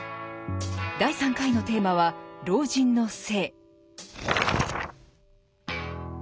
第３回のテーマは老人の性。